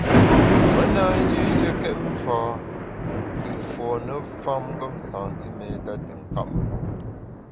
Me na njîshekét mfâ te fône famngem santiméta te nkap mvem.